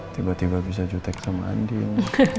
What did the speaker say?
tiba tiba bisa cutek sama andin